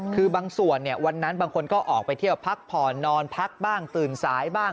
คือบางส่วนวันนั้นบางคนก็ออกไปเที่ยวพักผ่อนนอนพักบ้างตื่นสายบ้าง